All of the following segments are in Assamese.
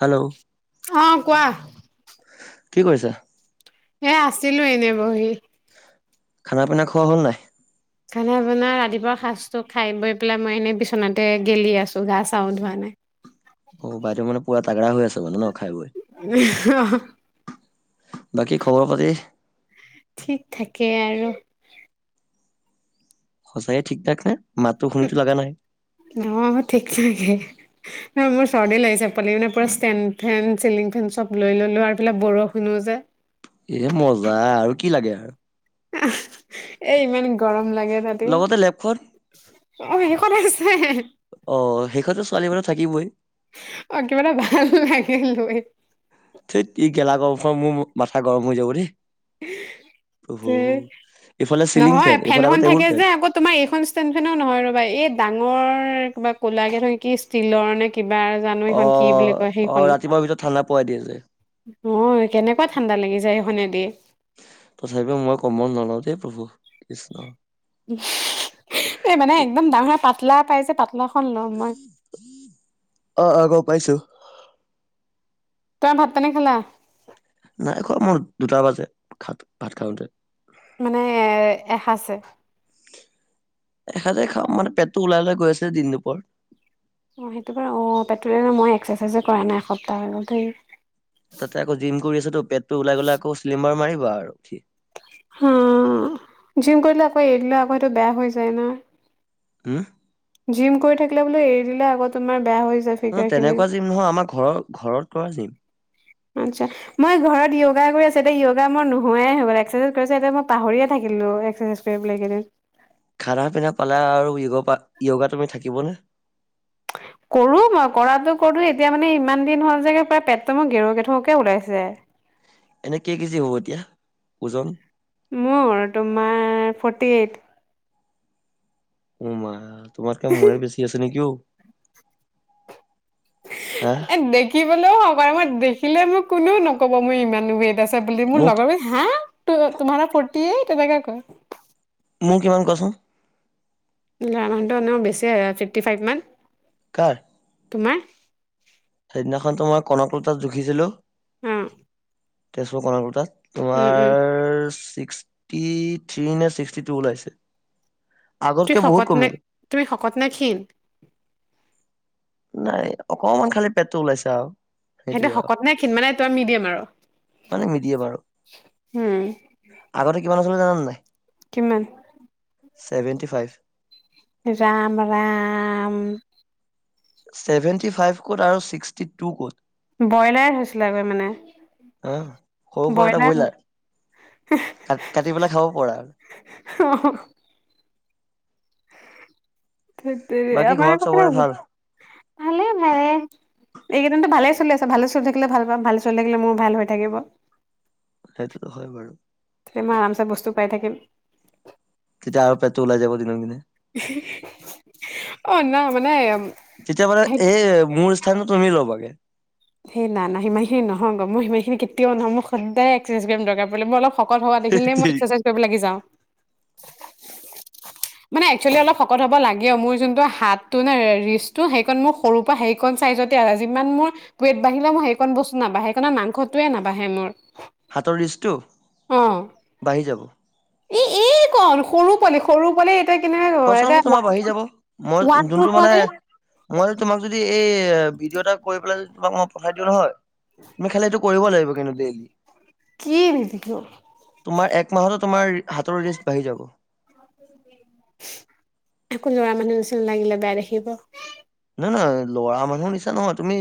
হেল্ল' অ' কোৱা কি কৰিছা? এ'আছিলো এনেই বহি। খানা পিনা খোৱা হ'ল নাই? সেইকাৰণে আপোনাৰ ৰাতিপুৱা সাজটো খাই বৈ পেলাই মই, এনেই বিচনাতে গেলি আছো গা চাও ধোৱা নাই। অ'বাইদেও মানে পুৰা তাগৰা হৈ আছে মানে ন খাই বৈ। [unintelligible] বাকী খবৰ পাতি, ঠিক থাকে আৰু। সঁচায়ে ঠিক থাক নে, মাতো শুনিতো লগা নাই। অ' ঠিক থাকে। নহয় মোৰ চৰ্দি লাগিছে পালি মানে পুৰা ষ্টেড ফেন চিলিং ফেন চব লৈ ললো আৰু এইফালে বৰষুণো যে। এ' মজা আৰু কি লাগে আৰু এ' ইমান গৰম লাগে তাতে। লগতে লেপখন অঁ এনেকুৱা ঠাইত আছে। অ' সেই খনটো ছোৱালী মানুহৰ থাকিবই। অ' কিবা এটা ভাল লাগে লৈ। সেই ই গেলা গৰম খনত মোৰ মাথা গৰম হৈ যাব দেই। ধেই এইফালে চিলিং নহয় ফেন এইফালে আকৌ ফেনখন টেবুল থাকে ফেন। যে আকৌ তোমাৰ এইখন ষ্টেণ্ নহয়, ৰ'বা এই ডাঙৰ কিবা ক'লা কে নহয় ষ্টীলৰ নে কিবা। জানো এইখন কি অহ, বুলি 'অহ, কয় অহ', ৰাতিপুৱাৰ ভিতৰত থানা পোৱাই দিয়ে যে অহ'কেনেকুৱাঁ ঠাণ্ডা লাগি যায় ইখনেদি তথাপিও মই কম্বল নলওঁ দেই প্ৰভু। কৃষ্ণ এই মানে একদম ডাঙৰ পাতলা পাই যে পাতলা লাখনল [unintelligible] অহ, অহ', গম পাইছোঁ। তই ভাত পানি খালা? নাই খোৱাঁ মোৰ দুটা বাজে, ভাত, ভাত খাওঁতে। মানে এসাঁচ এ। এসাজে খাওঁ মানে পেটতোওলাই ওলাই গৈ আছে দিন দুপৰত। অহ, সেইটো অহ। পেট্ৰ মই এক্সাৰচাইজো কৰা নাই এসপ্তাহ আগত হৈ গ'ল তে। তাতে আকৌ জিম কৰি আছো তো। পেটটো ওলাই গ'লে আকৌ চিলিম বাৰ মাৰিব আৰু। হম,। জিম কৰিলে আকৌ এৰিদিলে আকৌ সেইটো বেয়া হৈ যায় ন'। উহ। জিম কৰি থাকিলে বোলো এৰি দিলে আকৌ তোমাৰ বেয়া হৈ যায়। অহ, ফিগাৰ খিনি তেনেকুৱাঁ জিম নহয়। আমাৰ ঘৰত, ঘৰত কৰা জিম। আচ্ছ। মই ঘৰত য়োগা কৰি আছো, এতিয়া য়োগা মই ঘৰত য়োগা কৰি আছোতো য়োগা মোৰ মই ঘৰত য়োগা কৰি আছে ত' য়োগা মই নোহোৱাইে হৈ গ'ল। এক্সাৰচাইজ কৰা পিছত এতিয়া মই পাহৰিয়ে থাকিলোঁ। এক্সাৰঢাইজ [unintelligible] খানা পিনা পালা আৰু য়োগা য়োগা তুমি থাকিবনে? কৰোঁ মই কৰাটো কৰো, এতিয়া মানে ইমান দিন হল যে পায় পেটটো মোৰ গেৰ গেথকে ওলাইছে। এনেই কেই কেজি হ'ব এতিয়া, ওজন? মোৰ তোমাৰ ফৰ্টি এইট। উম' মা তোমাতকে মোৰে বেছি আছে নেকি অ? হা এ দেখিবলৈ [unintelligible] মই দেখিলে মোক কোনেওঁ নকব মই ইমান ওৱেইট আছো। বুলি মোৰ মোক লগৰ বুলি হা তোমহাৰা ফৰ্তি এইট বুলি তেনেকে কয়। মোৰ কিমান কছোন? ল'ৰা মানুহটো এনেওঁ বেছি ফিফটি ফাইভমান। কাৰ? তোমাৰ। সেইদিনাখনত তোমাক কনকলতাত জুখিছিলোঁ। হম। তেজপুৰ কণকলতাত উম তোমাৰ ছিক্স। ছিক্স থ্ৰ্ৰী নে ছিক্সটি টু ওলাইছে। তুমি আগতকে বহুত শকত নে? কমিলো। তুমি শকত নে ক্ষীণ? নাই অকমান খালি পেটটো ওলাইছো আৰু। সেইটো সেইটোয়ে আৰু শকত নে খিন মানে [unintelligible] মিদিয়াম আৰু-, মানে মিডিয়াম আৰু হম। আগতে কিমান আছিলোঁ জানানে নাই? কিমান? Seventy five. যাম ৰাম। ছেভেণ্টি ফাইভ ক'ত আৰু ছিক্সটি টু ক'ত। ব্ৰইলায় হৈছিলেগৈ মানে। হা সৰু সুৰা এটা ব্ৰইলায়। ব্ৰইলাৰ কাট, কাটি পেলাই খাব পৰা। হহ। ধেটতেৰি, বাকী আমাৰ ঘৰত এফালে কেতিয়া চবৰে আহিবি, ভাল ভালে ভালে। এইকেইদিন টো ভালে চলি আছে, ভালে চলি থাকিলে ভাল পাম। ভালে চলি থাকিলে মোৰ ভাল হৈ থাকিব। সেইটোতো হয় বাৰু। কিমান আৰামছে বস্তু পাই থাকিম। তেতিয়া আৰু পেট টো ওলাই যাব দিনক দিনে। অ' ন মানে। তেতিয়া মানে সেই এই, মোৰ স্থানতো তুমি ল'বাগে। সেই না না সিমান খিনি নহয়গৈ, মই সিমানখিনি কেতিয়াও নহয়, মই সদায় এক্সেচাইজ কৰিম দৰকাৰ পৰিলে মই অলপ শকত হোৱা দেখিলেই মই এক্সৰেচাইজ হাতৰ কৰিব লাগি যাওঁ। [unintelligible] মানে এক্সেলি অলপ শকত হ'ব লাগে। মোৰ যোনটো হাতটো নে ৰিচটো সেইকণ মোৰ সৰুৰ পৰা হেৰিকণ চাইযতে আছে। যিমান মোৰ ৱেত বাঢ়িলে মই সেইকণ বস্তু নাবঢ়েই, সেইকনত মাংসটোৱে নাবাঢে মোৰ। হাতৰ ৰিচটো, বাঢ়ি যাব। এ এইকন সৰু পোৱালি, সৰু পোৱালি তই কেনেকে কব পাৰা, কচাম এতিয়া তোমাৰ বাঢ়ি ৱাইটটো যাব মই ওৱাতটো যোনটো পোৱা মানে নে। মই যদি তোমাক যদি, এই ভিডিঅ' এটা কৰি পেলাই যদি তোমাক মই পঠাই দিওঁ নহয়, তুমি খালি এইটো কৰিব লাগিব কিন্তু ডেইলি। কি ভিডিঅ'। তোমাৰ এক মাহতে তোমাৰ, হাতৰ ৰিষ্ট বাঢ়ি যাব। অ' বোলো দি দিবা। আকৌ ল'ৰা মানুহ নিচিনা লাগিলে বেয়া দেখিব। নহয় নহয়, ল'ৰা মানুহ নিচনা নহয়, তুমি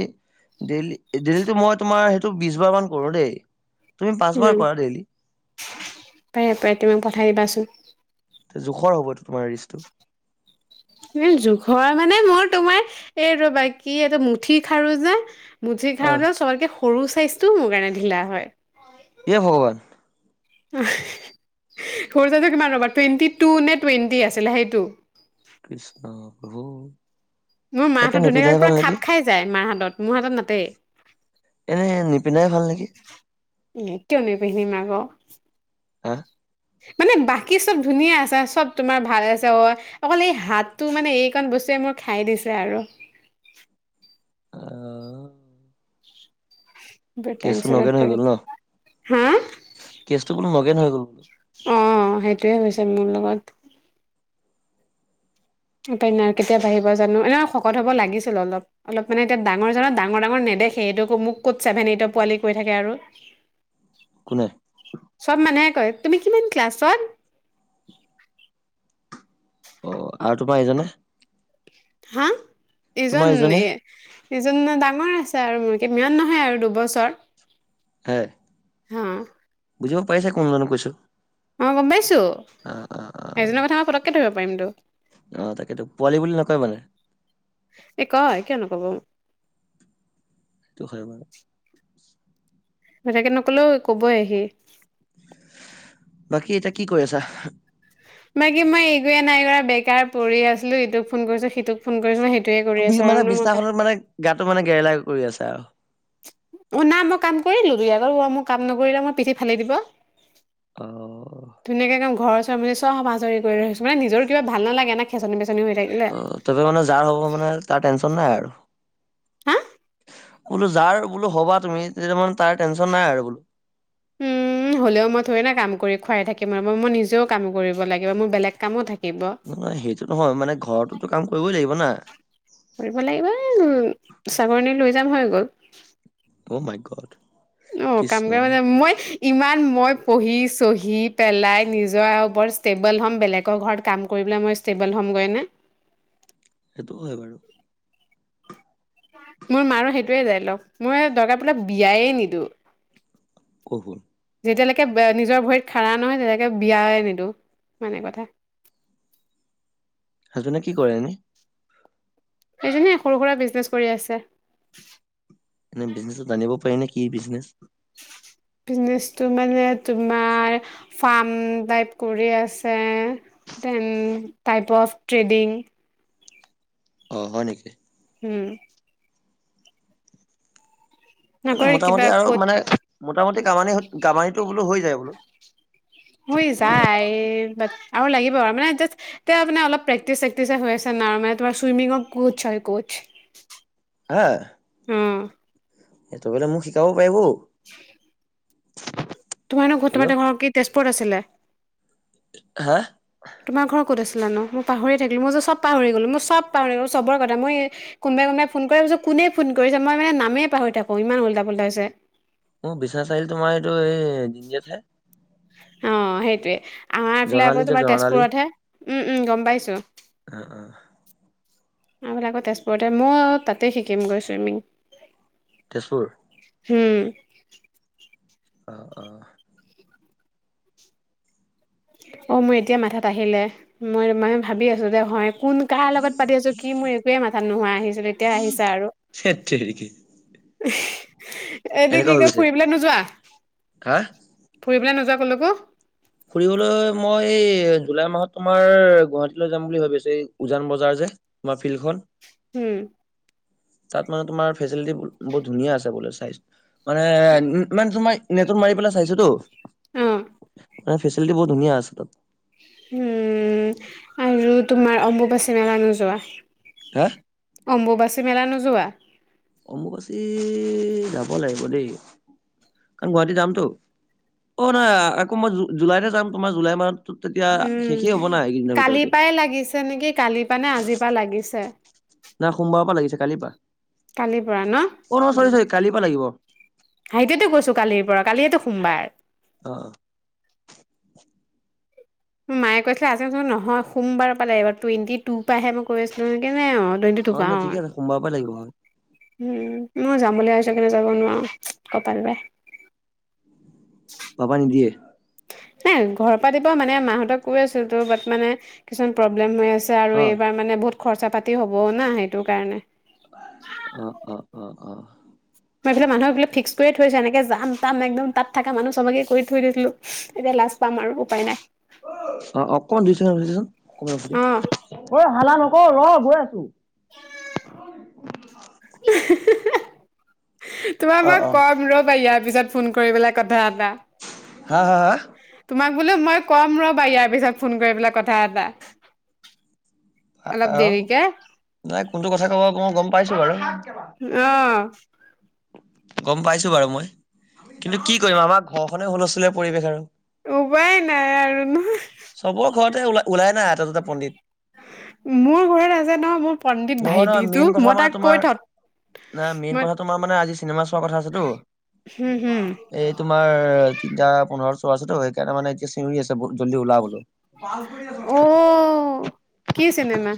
ডেইলি, ডেইলিটো মই তোমাৰ সেইটো বিশ বাৰ মান কৰো দেই। তুমি পাঁচবাৰ উম, কৰা ডেইলি পাৰে পাৰে, তুমি মোক পঠাই দিবাচোন। জোখৰ হ'ব এইটো তোমাৰ ৰিষ্টটো। এ জোখৰে মানে মোৰ তোমাৰ এইটো বাকী, এইটো মুঠি খাৰো যে- মুঠি আহ খাৰু চবতকৈ সৰু চাইজটোও মোৰ কাৰণে ঢিলা হয়। হে ভগৱান। সৰু যোৰটো কিমান ৰ'ব, টুৱেণ্টি টু নে টুৱেণ্টি আছিলে, সেইটো। কৃষ্ণ প্ৰভু। মোৰ মা তাকে হাতত নিপিন্ধাই ধুনীয়াকে পোৰা ভাল নেকি খাপ খাই যায় মাৰ হাতত, মোৰ হাতত নাতেই। এনে নিপিন্ধাই ভাল নেকি। উম, কিয় নিপিন্ধিম আকৌ। হা! মানে, বাকী চব ধুনীয়া আছে চব তোমাৰ ভাল আছে, ওৱা। অকল এই হাতটো মানে এইকণ বস্তুৱে মোৰ, খাই দিছে আৰু। অ'। [unintelligible] বেহ, টেনশ্যনত নগেন হৈ পৰে। গ'ল ন হা? কেচটো বোলো নগেন হৈ গ'ল বোলো অ' হেইটোয়ে হৈছে মোৰ লগত। উপাই নাই আৰু কেতিয়া বাঢ়িব জানোঁ। এনেও শকত হ'ব লাগিছিল অলপ। অলপ মানে এতিয়া ডাঙৰ জনৰ, ডাঙৰ ডাঙৰ নেদেখে সেইটো মোক ক'ত, ছেভেন এইট এইটো পোৱালি কৈ থাকে আৰু। কোনে? চব মানুহে কয়, তুমি কিমান ক্লাছত। অ' আৰু তোমাৰ এইজনে- হা, তোমাৰ এইজন ইজনে সেইজন নো ডাঙৰ আছে আৰু মোৰ কে ইমান নহয় আৰু দুবছৰ- হয় হা বুজিব পাৰিছে কোন জনক কৈছোঁ। অঁ গম পাইছোঁ। সেইজনৰ কথা মই পটককৈ ধৰিব পাৰিমতো। অ' তাকেতো পোৱালি বুলি নকয় মানে- এই কয় কিয় নকব। হয় বেলেগে নকলেও কবই সি। বাকী এতিয়া কি কৰি আছা। বাকী মই একোয়ে নাই কৰা বেকাৰ পৰি আছিলোঁ। ইটোক ফোন কৰিছো সিটোক- ফোন কৰিছোঁ সেইটোয়ে কৰি বি আছোঁ মানে আৰু নো মই কা বিছনাখনত মানে গাটো মানে গেৰেলা কৰি আছে আৰু অ না মই কাম কৰি দিওঁ দুই এটা বাৰু মোক কাম নকৰিলে মই পিঠি ফালি দিব অ ধুনীয়াকে একদম ঘৰ চৰ মছি চব আজৰি কৰি লৈ মানে নিজৰে কিবা ভাল নালাগে খেচনি বেচনি হৈ থাকিলে অ তাপা মানে যাৰ হ'ব মানে তাৰ টেনচন নাই আৰু হা বোলো যাৰ বোলো হ'বা তুমি তেতিয়া মানে তাৰ টেনশ্যন নাই আৰু বোলো উম, [inaudible] হ'লেও মই থৈৰিনা কাম কৰি খুৱাই থাকিম মই নিজেও কাম কৰিব লাগিব মোৰ বেলেগ কামো থাকিব সেইটো নহয় মানে ঘৰততো কাম কৰিবই লাগিব না কৰিব লাগিব ছাকৰণী লৈ যাম হৈ গ'ল অ' মাই গড অ কাম কৃষ্ণ কৰা মানে মই ইমান মই পঢ়ি চহি পেলাই নিজৰ ওপৰত ষ্টেবল হ'ম বেলেগৰ ঘৰত কাম কৰিবলৈ মই ষ্টেবল হ'ম গৈ নে সেইটো হয় বাৰু মোৰ মাৰো সেইটোৱে ডাইলক মই দৰকাৰ পৰিলে বিয়াই নিদো [inaudible] যেতিয়ালৈকে নিজৰ ভৰিত খাৰা নহয় তেতিয়ালৈকে বিয়াই নিদিওঁ ইমানে কথা হাজব্ৰেন্দে কি কৰেনো এইজনে সৰু সুৰা বিজনেছ কৰি আছে এনে বিজনেছ টো জানিব পাৰি নে কি বিজনেছ বিজনেচটো মানে তোমাৰ ফাৰ্ম টাইপ কৰি আছে ডেন টাইপ অফ ট্ৰেডিং অ হয় নেকি উম মানে নকৰি কিবা মোটামুটি আৰু ক'ত মানে মোটামুটি কামানি কামানিটো বোলো হৈ যায় বোলো হৈ যায় আৰু বাট আৰু লাগিব আৰু মানে জা এতিয়া মানে অলপ প্ৰেক্টিচ চেক্টিচ হৈ আছে ন মানে তোমাৰ চুইমিঙৰ কোচ হয় কোচ হা উম সেইটো বলে মোক শিকাব পাৰিব অ তোমাৰ নো ঘৰ ক'ত তোমাৰ নো কি তেজপুৰ আছিলে হা তোমাৰ ঘৰ ক'ত আছিলেনো মই পাহৰি থাকিলোঁ মই যে চব পাহৰি গ'লো মই চব পাহৰি গ'লো মই চবৰে কথা মই, কোনোবাই কোনবাই ফোন কৰে মই কৈছো কোনে ফোন কৰিছে মই মানে নামেই পাহৰি থাকো ইমান ওলটা পোটা হৈছে। মোৰ বিশ্বনাথ চাৰিআলি তোমাৰ এইটো এই দিতিয় ঠাইত, অ সেইটোৱে আমাৰফালে জৰ্ণালী আকৌ যে তোমাৰ জৰ্ণালী তেজপুৰতহে উম উম গম পাইছো। অ অ আমাৰ ফালে আকৌ তেজপুৰত হে মই তাতেই শিকিমগৈ ছুইমিং। তেজপুৰ হোম। [inaudible] অ মোৰ এতিয়া মাথাত আহিলে মই মানে ভাবি আছো যে হয় কোন। কাৰ লগত পাতি আছো কি মোৰ একোৱে মাথাত নোহোৱা আহিছিলে এতিয়া আহিছে আৰু, থেত তেৰিকি এইটো এনেকুৱা কি হৈ কয় গৈছে ফুৰিবলৈ নোযোৱা? হা ফুৰিবলে নোযোৱা কলেকো? ফুৰিবলৈ মই এই জুলাই মাহত তোমাৰ গুৱাহাটীলৈ যাম বুলি ভাবি আছো উজান বজাৰ যে। তোমাৰ ফিলখন। উম তাত মানে তোমাৰ ফেচিলিটি বহুত ধুনীয়া আছে বোলে চাই। মানে মানে তোমাৰ নেটত মাৰি পেলাই চাইছোতো। অ', মানে ফেচিলিটি বহুত ধুনীয়া আছে তাত। উম আৰু তোমাৰ অম্বুবাচী মেলা নোযোৱা? হা? অম্বুবাচী মেলা নোযোৱা? অম্বুবাচী যাব লাগিব দেই। কাৰণ গুৱাহাটী যামতো অঁ নহয় আকৌ মই জু জুলাইতে যাম তোমাৰ জুলাই মাহত। ত তেতিয়া শেষে হ'ব না এইকেইদিনৰ ভিতৰতে। [unintelligible] তেনেকে কালিৰ পৰা নে আজিৰ পা লাগিছে। না সোমবাৰৰ পৰা লাগিছে কালিৰ পৰা কালিৰ পৰা ন অ নহয় উম, চৰি চৰি কালিৰ পৰা লাগিব। সেইটোৱেতো কৈছো কালিৰ পৰা কালিয়েতো সোমবাৰ। অ অ। মায়ে কৈছিলে আজিচোন নহয় সোমবাৰৰ পাৰে টুৱেণ্টি টু পৰাহে মই কৈ আছিলো সে অ টুৱেণ্টি টু অ পা নাই ঠিকে আছে সোমবাৰৰ পৰা লাগিব হয়। উম মই যাম বুলি ভাবিছো ইকাৰনে যাব নোৱাৰোঁ কপাল বেয়া। যাবা নিদিয়ে? এ ঘৰৰ পৰা তেতিয়া মানে মাহঁতক কৈ আছিলো ত বাত কিছুমান প্ৰব্লেম হৈ আছে। ত আৰু অ এইবাৰ মানে বহুত খৰচা পাতি হ'বও না সেইটো কাৰণে। অ অ অ অ মই এইফালে মানুহ এইবিলাক ফিক্স কৰি থৈছো এনেকে যাম তাম একদম তাত থাকা মানুহ চবকে কৈ থৈ দিছিলো। এতিয়া লাজ পাম আৰু উপায় নাই। [inaudible] অ অকমান জোৰছে টানি দেচোন অকমান ৰখি অ দিয়া ঐ হাল্লা নকৰ ৰ গৈ আছো। [inaudible] তোমাক অ মই অ কম ৰবা ইয়াৰ পিছত। ফোন কৰি পেলাই কথা এটা। হা হা হা? তোমাক বোলো মই কম ৰবা, ইয়াৰ পিছত ফোন কৰি পেলাই কথা এটা। অলপ আৰু দেৰিকে তাই কোনটো কথা কব মই গম পাইছো বাৰু। অ গম পাইছো বাৰু মই, কিন্তু কি কৰিম আমাৰ ঘৰখনে হুলস্থুলীয়া পৰিৱেশ আৰু। উপায় নাই আৰু নহয় চবৰ ঘৰতে ওলা ওলাই নাই এটা দুটা পণ্ডিত। মোৰ ঘৰত আছে নহয় মোৰ পণ্ডিত নহয় নহয় ভাইটিটো মেইন কথা মই মানে তাক তোমাৰ কৈ [unintelligible] নাই মেইন মই কথাটো তোমাৰ মানে আজি চিনেমা চোৱা কথা আছেতো। হম হম এই তোমাৰ তিনিটা পোন্ধৰত শ্ব আছেতো সেইকাৰণে মানে এতিয়া চিঞৰি আছে ব জল্দি উলা বোলো। অ কি চিনেমা?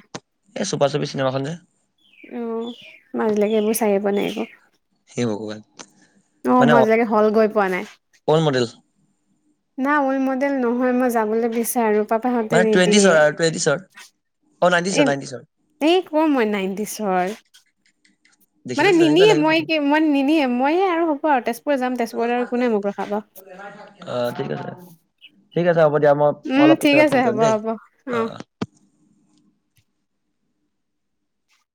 এ চুাপা চুপি চিনেমাখন যে, অ, মই আজিলৈকে এবাৰু চাইয়ে পোৱা নাই আকৌ। হে ভগৱান। অ, মই আজিলৈকে হল্ড কৰি পোৱা নাই। কোন মডেল? না মই মডেল নহয়, মই যাবলৈ বিচাৰো। পাপাহঁতে মানে টুৱেণ্টিছৰ নিদিয়ে, আৰু টুৱেণ্টিছৰ অ নাইনটিছৰ এই নাইনটিছৰ এই ক' মই নাইণ্টিছৰ হয়। মানে দেখিলেতো তেনেকুৱাই নিনিয়ে, লাগে মই ফটো কি মই নিনিয়ে মইয়ে আৰু হ'ব আৰু তেজপুৰ যাম তেজপুৰত আৰু কোনে মোক ৰখাব। অ ঠিক আছে। ‌ ঠিক আছে হ'ব দিয়া, মই উম অলপ ঠিক পিছতকে আছে ফোন কৰিম হ'ব দেই। হ'ব অ